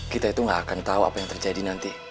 kita itu gak akan tahu apa yang terjadi nanti